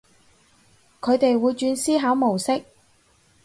佢哋會轉思考模式